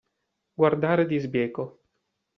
Guardare di sbieco.